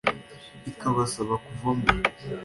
ikabasaba kuvamo